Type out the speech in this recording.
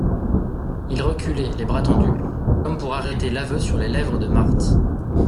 Il reculait, les bras tendus, comme pour arrêter l'aveu sur les lèvres de Marthe.